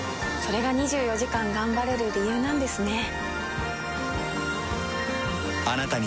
れが２４時間頑張れる理由なんですね。